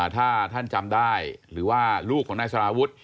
ถ้าท่านจำได้หรือว่าลูกของนายสารวุฒิ